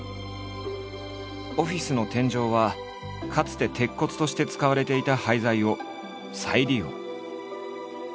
オフィスの天井はかつて鉄骨として使われていた廃材を再利用。